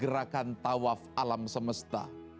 bergerakan tawaf alam semesta